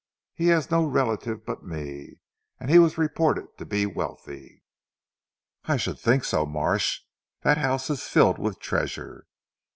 He has no relative but me, and he was reported to be wealthy." "I should think so Marsh. That house is filled with treasure!